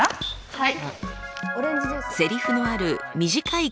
はい。